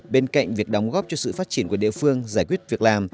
bên cạnh việc đóng góp cho sự phát triển của địa phương giải quyết việc làm